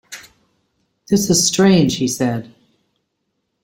“This is strange!” he said.